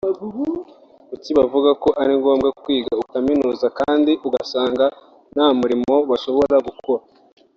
Kuki bavuga ko ari ngombwa kwiga ukaminuza kandi ugasanga nta murimo bashobora gukora